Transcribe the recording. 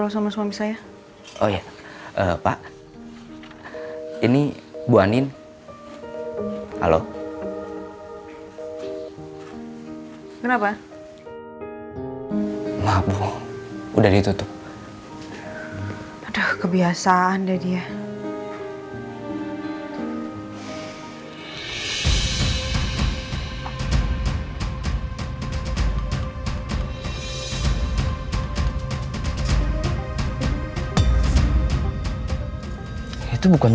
semoga aja ada titik terang